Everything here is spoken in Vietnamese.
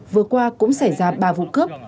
vừa qua cũng xảy ra ba vụ cướp